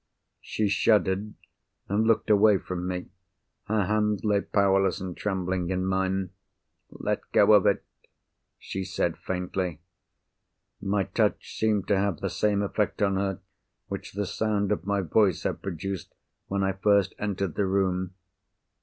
She shuddered, and looked away from me. Her hand lay powerless and trembling in mine. "Let go of it," she said faintly. My touch seemed to have the same effect on her which the sound of my voice had produced when I first entered the room.